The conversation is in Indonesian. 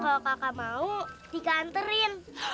kalo kakak mau dikanterin